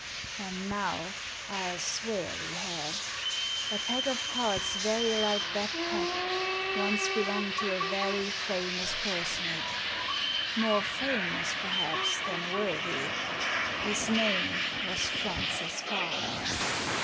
And now I'll swear we have. A pack of cards very like that pack once belonged to a very famous personage ; more famous, perhaps, than worthy. His name was Francis Farmer."